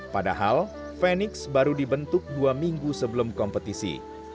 padahal fenix baru dibentuk dua minggu sebelum kompetisi